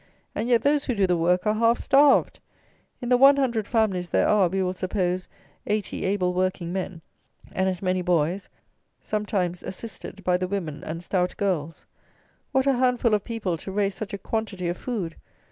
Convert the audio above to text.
And yet those who do the work are half starved! In the 100 families there are, we will suppose, 80 able working men, and as many boys, sometimes assisted by the women and stout girls. What a handful of people to raise such a quantity of food!